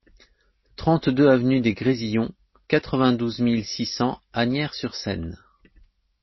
trente-deux avenue des Grésillons, quatre-vingt-douze mille six cents Asnières-sur-Seine